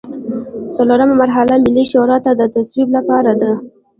څلورمه مرحله ملي شورا ته د تصویب لپاره ده.